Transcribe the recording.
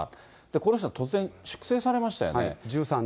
この人、突然粛清されましたよね。